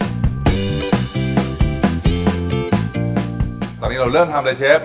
ตอนนี้เราเริ่มทำอะไรเชฟ